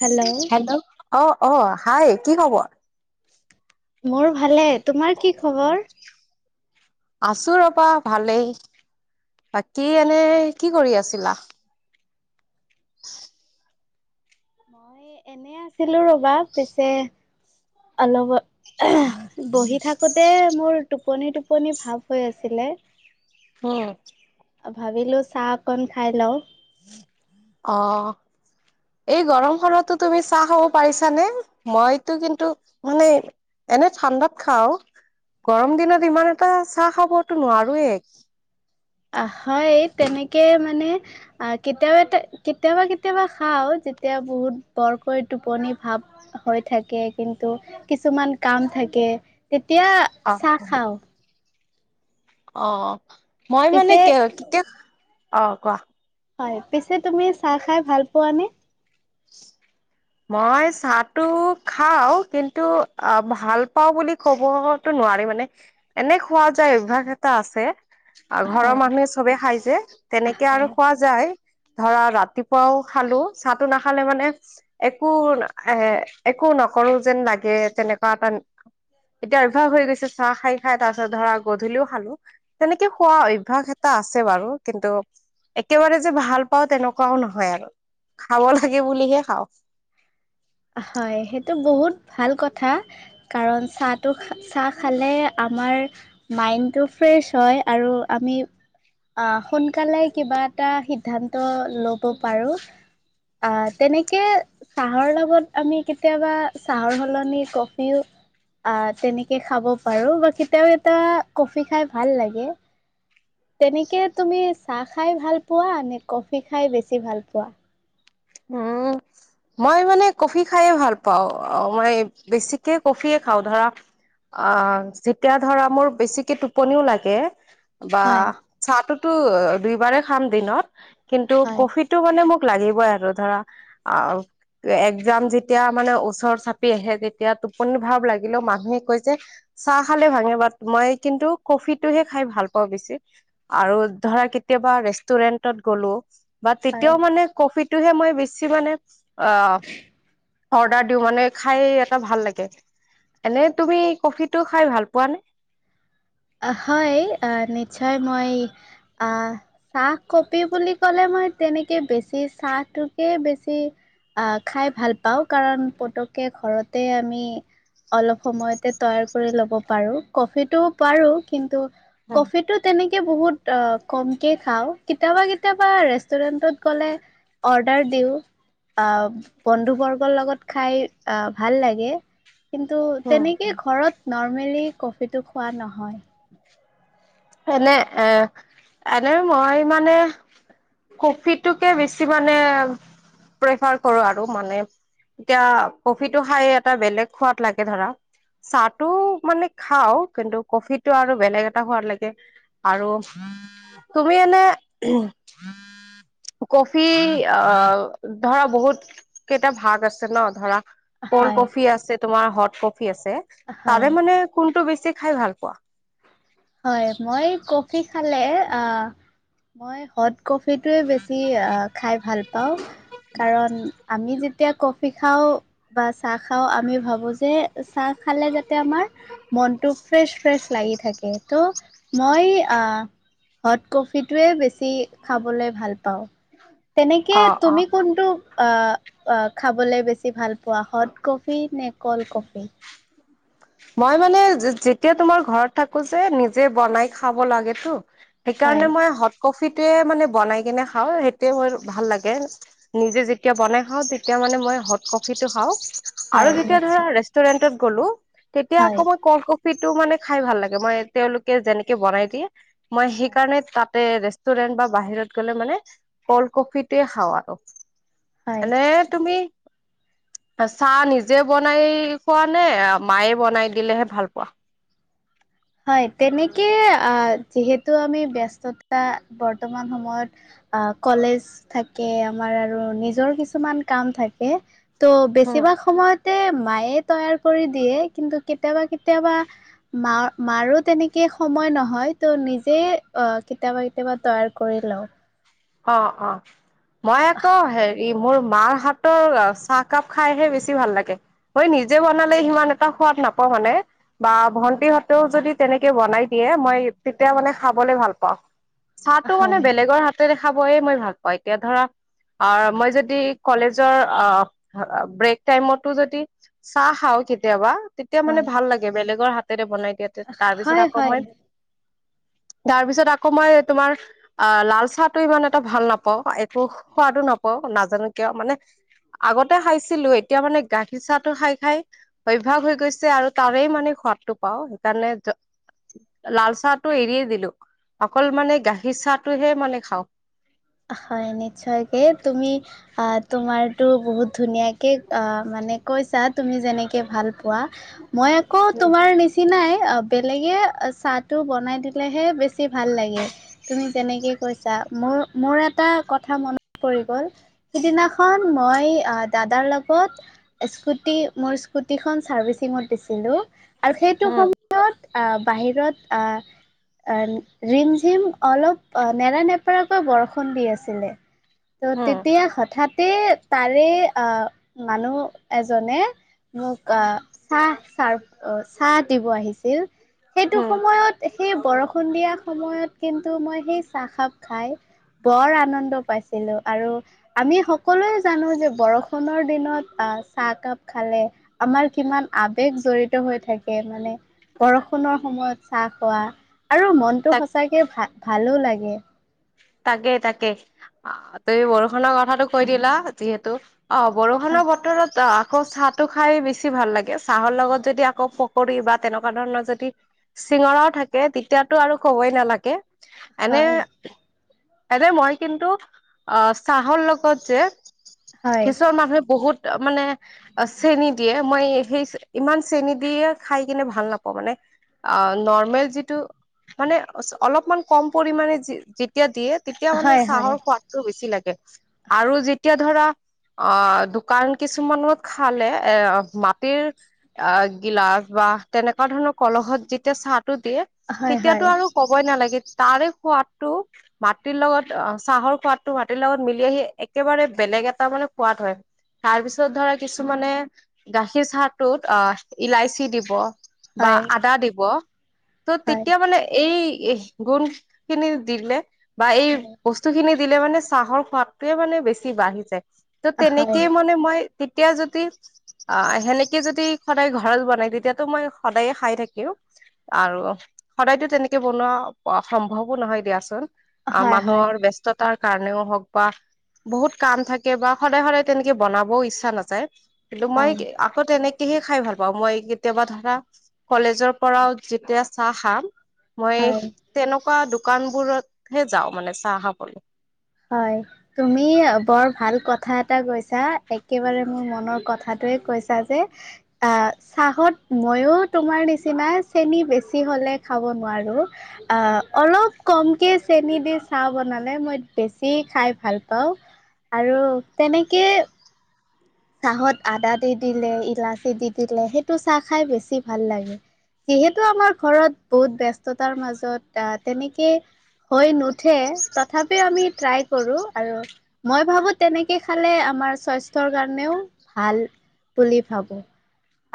Hello! Hello! অ' অ', hi কি খবৰ? মোৰ ভালে, তোমাৰ কি খবৰ? আছো ৰবা! ভালেই, বাকী এনে কি কৰি আছিলা? [inaudible] মই এনে। এনেই আছিলো ৰবা! পিছে অলপ [unintelligible] বহি থাকোতে মোৰ টোপনি টোপনি ভাৱ হৈ আছিলে। অঁ। ভাবিলোঁ চাহ অকন খাই লওঁ। অ'। এই গৰম খনতটো তুমি চাহ খাব পাৰিছানে? মইতো কিন্তু মানে এনে ঠাণ্ডাত খাও, গৰম দিনত ইমান এটা চাহ খাবতো নোৱাৰোয়ে। অ' হয়, তেনেকে মানে অ' কেতিয়াবাটো কেতিয়াবা কেতিয়াবা খাও, যেতিয়া বহুত বৰকৈ টোপনি ভাব হৈ থাকে কিন্তু, কিছুমান কাম থাকে তেতিয়া অ চাহ খাও। অ', মই মানে পিছে কে কেতিয়া--অ'কোৱা। হয়, পিছে তুমি চাহ খাই ভাল পোৱানে? [inaudible] মই চাহটো খাওঁ, কিন্তু ভাল পাওঁ বুলি কব টো নোৱাৰি মানে এনে খোৱা যায়, অভ্যাস এটা আছে। আৰু ঘৰৰ হয় মানুহে চবে খাই যে, তেনেকে আৰু হয় খোৱা যায়, ধৰা ৰাতিপুৱাও খালো। চাহটো নাখালে মানে একো, এ একো নকৰো যেন লাগে তেনেকুৱা [unintelligible] এতিয়া অভ্যাস হৈ গৈছে, চাহ খাই খাই তাৰ পিছত ধৰা গধূলিও খালো। তেনেকে খোৱা অভ্যাস এটা আছে বাৰু! কিন্তু একেবাৰে যে ভাল পাওঁ তেনেকুৱাও নহয় আৰু। খাব লাগে বুলিহে খাওঁ। হয়, সেইটো বহুত ভাল কথা। কাৰণ চাহটো, চাহ খালে আমাৰ মাইণ্ডটো ফ্ৰেছ হয়, আৰু আমি অ' সোনকালে কিবা এটা সিদ্ধান্ত ল'ব পাৰোঁ। অ' তেনেকে চাহৰ লগত আমি কেতিয়াবা, চাহৰ সলনি কফিও আ' তেনেকে খাব পাৰো বা কেতিয়াবা কেতিয়াবা কফি খাই ভাল লাগে। তেনেকে তুমি চাহ খাই ভাল পোৱা নে, কফি খাই বেছি ভাল পোৱা? উম [inaudible] মই মানে কফি খাইয়ে ভাল পাওঁ, অ' মই বেছিকে কফিয়ে খাওঁ ধৰা অ' যেতিয়া ধৰা মোৰ বেছিকে টোপনিও লাগে। বা হয় চাহটোতো দুই বাৰে খাম দিনত কিন্তু হয় ক'ফিত টো মানে মোক লাগিবই আৰু। ধৰা অ' একজাম যেতিয়া মানে ওচৰ চাপি আহে তেতিয়া টোপনি ভাৱ লাগিলেও মানুহে কয় যে চাহ খালে ভাঙে বাট, মই কিন্তু কফিটোহে খাই ভাল পাওঁ বেছি। আৰু ধৰা কেতিয়াবা ৰেষ্টুৰেন্টত গ'লো বা হয় তেতিয়াও মানে কফিটোহে মই- বেছি মানে, অ অৰ্ডাৰ দিওঁ মানে খাই এটা ভাল লাগে। এনেই হয় তুমি কফিটো খাই ভাল পোৱা নে? অ হয়, নিশ্চয় মই আহ- চাহ কফি বুলি ক'লে মই তেনেকে বেছি চাহটোকে বেছি- আহ, খাই ভাল পাওঁ, কাৰণ পতকে ঘৰতে আমি- অলপ সময়তে তৈয়াৰ কৰি ল'ব পাৰো, কফিটো- পাৰো, কিন্তু কফিটো তেনেক- কে বহুত কমকে খাওঁ, কেতিয়াবা কেতিয়াবা ৰেষ্টুৰেন্টত গ'লে- অৰ্ডাৰ দিওঁ। আ বন্ধু বৰ্গৰ লগত খাই ভাল লাগে। কিন্তু, তেনেকে ঘৰত নৰ্মেলি কফিটো খোৱা নহয়। এনে এ এনেই মই মানে- কফিটোকে বেছি মানে প্ৰেফাৰ কৰো আৰু মানে- এতিয়া কফিটো খাই এটা বেলেগ সোৱাদ লাগে ধৰা। চাহ টো মানে খাওঁ, কিন্তু কফিটো আৰু বেলেগ এটা খোৱাদ লাগে। আৰু তুমি এনেই- কফি অহ ধৰা বহুত- কেইটা ভাগ আছে ন, ধৰা- ক'ল্ড হয়, কফি আছে তোমাৰ হট কফি আছে, হয়, তাৰে মানে কোনটো বেছি খাই ভাল পোৱা? হয়, মই কফি খালে আঁ মই হত- কফিটোৱে বেছি আ খাই ভাল পাওঁ। কাৰণ, আমি যেতিয়া কফি খাওঁ- বা চাহ খাওঁ আমি ভাবো যে, চাহ খালে যাতে আমাৰ- মনটো ফ্ৰেছ ফ্ৰেছ লাগি থাকে, ত' মই আহ- হট কফিটোৱে বেছি খাবলে ভাল পাওঁ, তেনেকে অ অ তুমি কোনটো- আ আ খাবলে বেছি ভাল পোৱা হট কফি নে ক'ল্ড কফি? মই মানে যেতিয়া তোমাৰ ঘৰত থাকো যে নিজে বনাই খাব লাগেতো, - হয়, সেইকাৰণে মই হট কফিটোৱে মানে বনাই কিনে খাওঁ, সেইটোৱে মোৰ ভাল লাগে। নিজে যেতিয়া বনাই খাওঁ তেতিয়া মানে মই হট কফিটো খাওঁ। আৰু হয়, যেতিয়া ধৰা নিশ্চয় ৰেষ্টুৰেন্টত গ'লো, তেতিয়া হয়, আকৌ মই কল্ড- ফিটো মানে খাই ভাল লাগে, মই তেওঁলোকে যেনেকে বনাই দিয়ে মই হয়। সেইকাৰণে তাত- এ ৰেষ্টুৰেন্ট বা বাহিৰত গ'লে মানে কল্ড কফিটোৱে খাওঁ আৰু। হয় এনে- তুমি চাহ নিজে বনাই খোৱা নে মায়ে- বনাই দিলেহে ভাল পোৱা। হয়, তেনেকে আ যিহেতু আমি ব্যস্ততা বৰ্তমান সময়ত- অ কলেজ থাকে আমাৰ আৰু নিজৰ কিছুমান কাম থাকে। ত' উম। বেছিভাগ সময়তে মায়ে তৈয়াৰ কৰি দিয়ে, কিন্তু কেতিয়াবা কেতিয়াবা- মাৰ- মাৰোঁ তেনেকে সময় নহয়, তো নিজেই কেতিয়াবা কেতিয়াবা তৈয়াৰ কৰি লওঁ। অঁ' অঁ' মই আকৌ হে- ই মোৰ মাৰ হাতৰ চাহকাপ খাইহে বেছি ভাল লাগে। মই নিজে বনালে সিমান এটা সোৱাদ নাপাওঁ মানে। বা ভন্টি হতেও যদি তেনেকে বনাই দিয়ে মই তেতিয়া মানে খাবলে ভাল পাওঁ। চাহটো মানে হয় বেলেগৰ হাতৰেহে খাবয়ে মই ভাল পাওঁ, এতিয়া ধৰা অ মই যদি কলেজৰ অ ব্ৰেক টাইমতো যদি চাহ খাওঁ কেতিয়াবা। তেতিয়া হয় মানে ভাল লাগে, বেলেগৰ হাতেৰে বনাই দিয়া তে, তাৰপিছত হয় আকৌ হয় মই তাৰপিছত আকৌ মই তোমাৰ আ লাল চাহ টো ইমান এটা ভাল নাপাওঁ, একো সোৱাদো নাপাও নাজানো কিয়, মানে আগতে খাইছিলো, এতিয়া মানে গাখীৰ চাহটো খায় খায় অভ্যাস হৈ গৈছে আৰু তাৰেই মানে সোৱাদটো পাওঁ সেইকাৰণে য লাল চাহটো এৰিয়ে দিলো, অকল মানে গাখীৰ চাহটোহে মানে খাওঁ। হয়, নিশ্চয়কে তুমি আ তোমাৰো বহুত ধুনীয়াকে আ মানে কৈছা তুমি যেনেকে ভাল পোৱা, মই আকৌ তোমাৰ নিচ চিনাই অ বেলেগে চাহটো বনাই দিলেহে বেছি ভাল লাগে। তুমি যেনেকে কৈছা মোৰ মোৰ এটা কথা মনত পৰি গ'ল সিদিনাখন মই আ দাদাৰ লগত স্কুটি মোৰ স্কুটিখন চাৰ্ভিচিঙত দিছিলো, আৰু সেইটো উম সম ত, আহ বাহিৰত আহ ৰিম ঝিম অলপ নেৰানেপেৰা কৈ বৰষুণ দি আছিলে, ত' হম তেতিয়া হঠাতে তাৰে আ মানুহ এজনে মোক, আহ চাহ চাৰ্ভ অ চাহ দিব আহিছিল। সেইটো হম সময়ত সেই বৰষুণ দিয়া সময়ত কিন্তু মই সেই চাহ খাপ খায় বৰ আনন্দ পাইছিলো, আৰু আমি স সকলোৱে জানো যে বৰষুণৰ দিনত আ চাহকাপ খালে আমাৰ কিমান আবেগ জড়িত হৈ থাকে, মানে বৰষুণৰ সময়ত চাহ খোৱা আৰু মনটো তাক সঁচাকে ভা ভালো লাগে। তাকেই, তাকেই তুমি বৰষুণৰ কথাটো কৈ দিলা যিহেতু অ, বৰষুণৰ হয় বতৰত অ আকৌ চাত টো খায় বেছি ভাল লাগে, চাহৰ লগত যদি আকৌ পকৰি বা তেনেকুৱা ধৰণৰ যদি চিঙৰাও থাকে তেতিয়াতো আৰু কবই নালাগে। এনে হয় এনে মই কিন্তু আহ চাহৰ লগত যে হয় কিছুমান মানুহে বহুত মানে অ চেনী দিয়ে মই সেই ইমান চেনী দিয়ে খায় কিনে ভাল নাপাওঁ মানে। অ, নৰ্মেল যিটো মানে অলপমান কম পৰিমানে যি তেতিয়া দিয়ে তেতিয়া মানে হয় হয় চাহৰ সোৱাদটো বেছি লাগে। আৰু যেতিয়া ধৰা অ, দোকান কিছুমানত খালে এ মাটিৰ অ, গিলাচ বা তেনেকুৱা ধৰণৰ কলহত যেতিয়া চাহটো দিয়ে হয় হয় তেতিয়াতো আৰু ক'বই নালাগে তাৰে সোৱাদটো মাটিৰ লগত অ চাহৰ সোৱাদটো মাটিৰ লগত মিলি আহি একেবাৰে বেলেগ এটা মানে সোৱাদ হয়। তাৰপিছত ধৰা কিছুমানে গাখীৰ চাহটোত অহ ইলাাইচি দিব। বা হয় আদা দিব ত' হয় তেতিয়া মানে এই গুণখিনি দিলে বা এই হয় বস্তু খিনি দিলে মানে চাহৰ সোৱাদটোয়ে মানে বেছি বাঢ়ি যায়। ত' হয় তেনেকেই মানে মই তেতিয়া যদি অ', সেনেকে যদি সদায় ঘৰত বনাই তেতিয়াতো মই সদায়ে খাই থাকিম। আৰু সদায়তো তেনেকে বনোৱা সম্ভৱো নহয় দিয়াচোন। আ', হয় হয় মানুহৰ ব্যস্ততাৰ কাৰণেও হওক বা কাম থাকে বা সদায় তেনেকে বনাবও ইচ্ছা নাযায়। কিন্তু, মই হয় আ আ', তেনেকেহে খাই ভাল পাওঁ। মই, কেতিয়াবা ধৰা কলেজৰ পৰাও যেতিয়া চাহ খাম মই তেনেকুৱা দোকান বোৰতহে যাওঁ মানে চাহ খাবলৈ। হয়। তুমি বৰ ভাল কথা এটা কৈছা। একেবাৰে মোৰ মনৰ কথাটোৱে কৈছা যে আ', চাহত ময়ো তোমাৰ নিচিনা চেনি বেছি হ'লে খাব নোৱাৰো। অ', অলপ কমকে চেনি দি চাহ বনালে মই বেছি খাই ভাল পাওঁ আৰু তেনেকে চাহত আদা দি দিলে। ইলাচি দি দিলে। সেইটো চাহ খাই বেছি ভাল লাগে। যিহেতু আমাৰ ঘৰত বহুত ব্যস্ততাৰ মাজত আহ, তেনেকে হৈ নুঠে তথাপিও আমি? ট্ৰাই কৰো আৰু মই ভাবো তেনেকে খালে আমাৰ স্বাস্থ্যৰ কাৰণেও ভাল বুলি ভাবো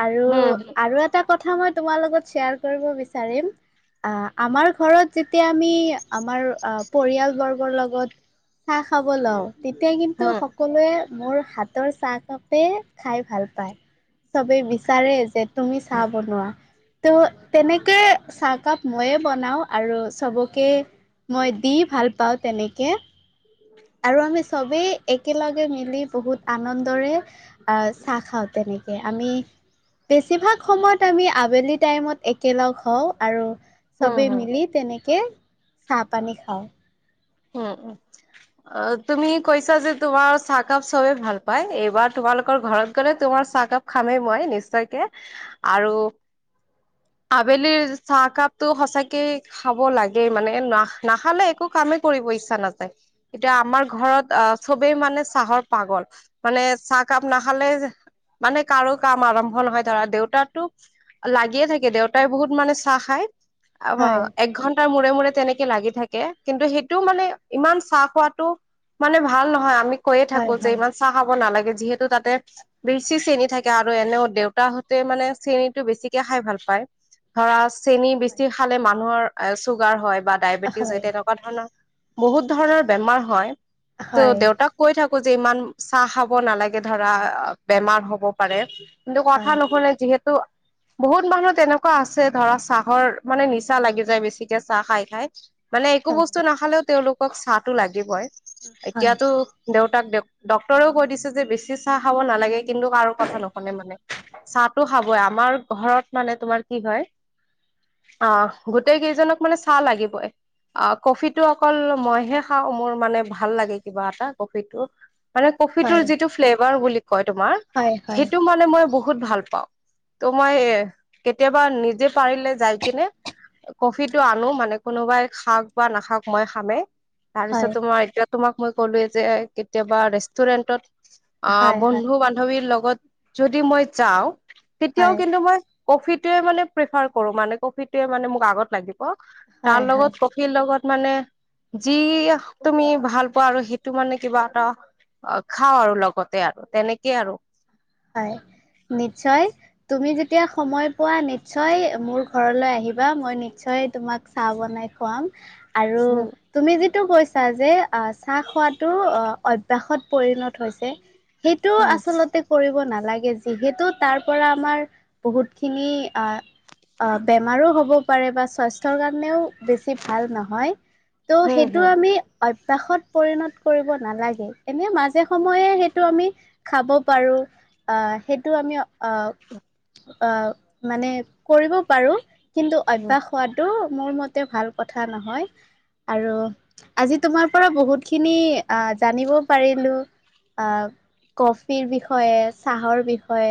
আৰু হুম আৰু এট এটা কথা মই তোমাৰ লগত শ্বেয়াৰ কৰিব বিচাৰিম। আহ', আমাৰ ঘৰত যেতিয়া আমি আমাৰ পৰিয়ালবৰ্গৰ লগত। চাহ খাব লও। তেতিয়া কিন্তু হুম সকলোৱে মোৰ হাত হাতৰ চাহ কাপে খাই ভাল পায়। চবে বিচাৰে যে, তুমি চাহ বনোৱা ত' তেনেকে চাহকাপ ময়ে বনাওঁ আৰু চবকে মই দি ভাল পাওঁ। তেনেকে আৰু আমি চবেই একেলগে মিলি বহুত আনন্দৰে [unintelligible] আ', চাহ খাওঁ তেনেকে আমি বেছিভাগ সময়ত আমি আবেলি টাইমত একেলগ হওঁ আৰু হুম চবেই হুম। মিলি তেনেকে চাহ পানী খাওঁ। উম', উম, অ', তুমি কৈছা যে তোমাৰ চাহকাপ চবেই ভাল পায়। এইবাৰ তোমালোকৰ ঘৰত গ'লে তোমাৰ চাহকাপ খামেই মই নিশ্চয়কে আৰু আবেলিৰ চাহ কাপটোৰ‌ সচাকে খাব লাগে মানে না নাখালে একো কামেই কৰিব ইচ্ছা নাযায়। এতিয়া আমাৰ ঘৰত আহ চবেই মানে চাহৰ পাগল। মানে চাহ কাপ নাখালে মানে কাৰো কাম আৰম্ভ নহয়, ধৰা দেউতাৰ টো লাগিয়ে থাকে। দেউতাই বহুত মানে চাহ খায়। হয়, [inaudible] এক ঘন্টাৰ মূৰে মূৰে তেনেকে লাগি থাকে। কিন্তু সেই এইটো মানে ইমান চাহ খোৱাটো মানে ভাল নহয়। আমি কৈয়ে হয়, থাকো যে হয়, ইমান চাহ খাব নালাগে। যিহেতু তাতে বেচি চেনী থাকে, আৰু এনেও দেউতাহঁতে মানে চেনীটো বেছিকে খাই ভাল পায়। ধৰা চেনি হয়, বেছি খালে মানুহৰ চুগাৰ হয় বা ডায়েবেটিছ হয় তেনেকুৱা ধৰণৰ বহুত ধৰণৰ বেমাৰ হয়। ত' হয়, দেউতাক কৈ থাকো যে ইমান চাহ খাব নালাগে, ধৰা বেমাৰ হব। পাৰে। কিন্তু কথা হয়, নোখোনে যিহেতু বহুত মানুহ তেনেকুৱা আছে। ধৰা চাহৰ মানে নিচা লাগি যায়। বেছিকে চাহ খাই খাই। মানে একো হয়, বস্তু নাখালেও তেওঁলোকক চাহটো লাগিবই, হয়, এতিয়াতো দেউতাক ড-ডক্তৰেও কৈ দিছে যে বেছি চাহ খাব নালাগে কিন্তু কাৰো কথা নুশুনে মানে। চাহটো খাবই আমাৰ ঘৰত মানে তোমাৰ কি হয় অ গোটেই কেইজনক মানে চাহ লাগিবই অ' কফিতটো অকল মইহে খাওঁ মোৰ মানে ভাল লাগে কিবা এটা কফিটো মানে কফিটোৰ হয়, যিটো ফ্লেভাৰ বুলি কয় তোমাৰ হয়, হয়, সেইতো মানে মই বহুত বহুত ভাল পাওঁ, ত' মই কেতিয়াবা নিজে পাৰিলে যাই কিনে কফিটো আনো মানে কোনোবাই খাওক বা নাখাওক মই খামেই, হয়, তাৰপিছতো মই এতিয়া তোমাক মই ক'লোৱে যে কেতিয়াবা ৰেষ্টুৰেন্টত অ হয়, হয়, বন্ধু বান বান্ধৱীৰ লগত যদি মই যাওঁ তেতিয়াও হয়, কিন্তু মই কফিটোৱে মানে প্ৰিফাৰ কৰো মানে কফিটোয়ে মানে মোক আগত লাগিব, তাৰ হয়, হয়। লগত কফিৰ লগত মানে যি তুমি ভাল পোৱা আৰু সেইটো মানে কিবা এটা অ' খাওঁ আৰু লগতে আৰু তেনেকে আৰু হয় নিশ্চয় তুমি যেতিয়া সময় পোৱা নিশ্চয় মোৰ ঘৰলৈ আহিবা মই নিশ্চয় তোমাক চাহ বনাই খুৱাম। আৰু উম তুমি যিটো কৈছা যে চাহ খোৱাতটো অ ভ্যাসত পৰিণত হৈছে সেইটো উম আচলতে কৰিব নালাগে যিহেতু তাৰ পৰা আমাৰ বহুত খিনি আহ অ বেমাৰো হ'ব পাৰে বা স্বাস্থ্যৰ কাৰণেও বেছি ভাল নহয়। ত' হম সেইটো হম আমি অভ্যাসত পৰিণত কৰিব নালাগে, এনে মাজে সময়ে সেইটো আমি খাব পাৰো আহ সেইটো আমি আহ আহ' মানে কৰিব পাৰোঁ কিন্তু হম অভ্যাস হোৱাটো মোৰ মতে ভাল কথা নহয় আৰু আজি তোমাৰ পৰা বহুত খিনি আহ জানিব পাৰিলো অ কফিৰ বিষয়ে, চাহৰ বিষয়ে